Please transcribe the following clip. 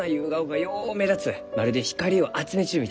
まるで光を集めちゅうみたいに。